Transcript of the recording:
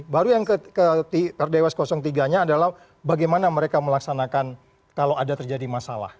baru yang ke dewas tiga nya adalah bagaimana mereka melaksanakan kalau ada terjadi masalah